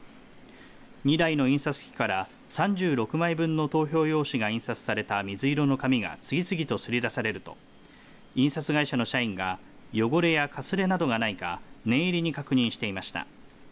２台の印刷機から３６枚分の投票用紙が印刷された水色の紙が次々と刷り出されると印刷会社の社員が汚れや、かすれなどがないか念入りに確認していました。